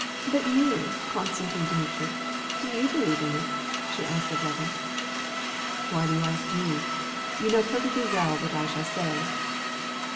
"But you, Konstantin Dmitrievitch, do you believe in it?" she asked Levin. "Why do you ask me? You know what I shall say."